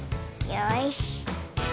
よし。